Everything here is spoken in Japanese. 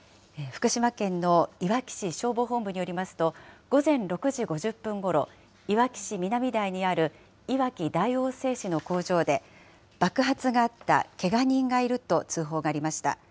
福島県のいわき市消防本部によりますと、午前６時５０分ごろ、いわき市南台にあるいわき大王製紙の工場で、爆発があった、けが人がいると通報がありました。